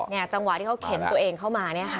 ในจังหวะเขาเข็นตัวเองเข้ามา